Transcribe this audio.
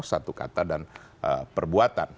satu kata dan perbuatan